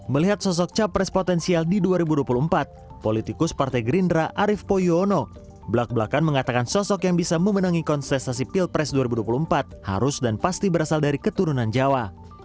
melihat sosok capres potensial di dua ribu dua puluh empat politikus partai gerindra arief poyono belak belakan mengatakan sosok yang bisa memenangi konsentrasi pilpres dua ribu dua puluh empat harus dan pasti berasal dari keturunan jawa